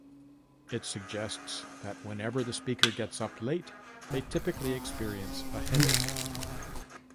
It suggests that whenever the speaker gets up late, they typically experience a headache.